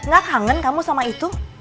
gak kangen kamu sama itu